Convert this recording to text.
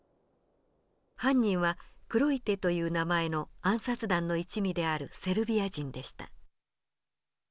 犯人は黒い手という名前の暗殺団の一味であるセルビア人でした。